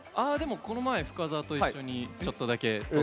この前、深澤と一緒にちょっとだけ。